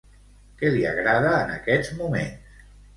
Qui li agrada en aquests moments?